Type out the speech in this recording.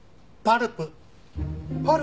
パルプ？